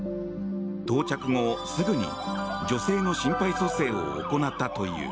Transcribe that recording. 到着後、すぐに女性の心肺蘇生を行ったという。